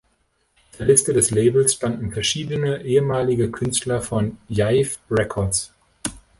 Auf der Liste des Labels standen verschiedene ehemalige Künstler von Jive Records.